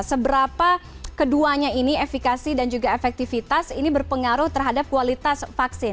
seberapa keduanya ini efekasi dan juga efektivitas ini berpengaruh terhadap kualitas vaksin